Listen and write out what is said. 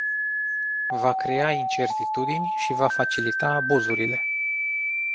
Va crea incertitudini și va facilita abuzurile.